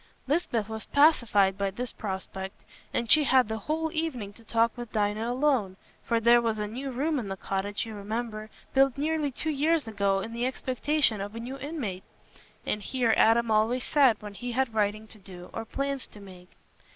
Lisbeth was pacified by this prospect. And she had the whole evening to talk with Dinah alone; for there was a new room in the cottage, you remember, built nearly two years ago, in the expectation of a new inmate; and here Adam always sat when he had writing to do or plans to make.